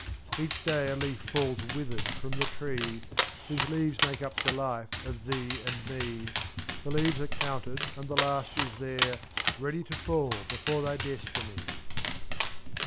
33 Each day a leaf falls withered from the tree Whose leaves make up the life of thee and me, '^^.The leaves are counted and the last is there — Ready to fall before thy destiny.